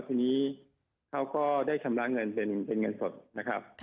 ทีนี้เขาก็ได้ชำระเงินเป็นเงินสดนะครับ